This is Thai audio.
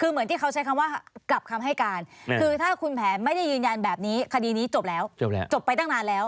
คือเหมือนที่เขาใช้คำว่ากลับคำให้การคือถ้าคุณแผนไม่ได้ยืนยันแบบนี้คดีนี้จบแล้วจบแล้วจบไปตั้งนานแล้ว